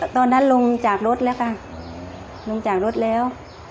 ตอนนั้นลงจากรถแล้ว